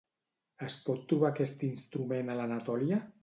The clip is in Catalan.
Es pot trobar aquest instrument a l'Anatòlia?